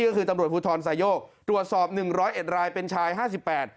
ก็คือตำรวจภูทรไซโยกตรวจสอบหนึ่งร้อยเอ็ดรายเป็นชายห้าสิบแปด